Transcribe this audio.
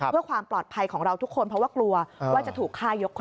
เพื่อความปลอดภัยของเราทุกคนเพราะว่ากลัวว่าจะถูกฆ่ายกคอ